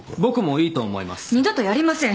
二度とやりません。